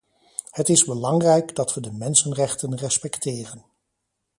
Het is belangrijk dat we de mensenrechten respecteren.